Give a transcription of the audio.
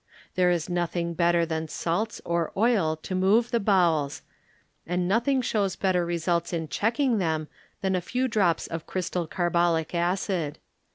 There is nothing better than salts or oil to move the bowels, and nothing shows better results in checking them than a few drops of crystal carbolic acid.